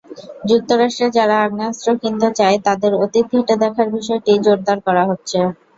যুক্তরাষ্ট্রে যারা আগ্নেয়াস্ত্র কিনতে চায়, তাদের অতীত ঘেঁটে দেখার বিষয়টি জোরদার করা হচ্ছে।